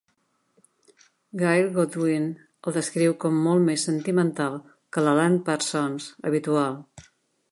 Gail Godwin el descriu com molt més sentimental que l'Alan Parsons habitual.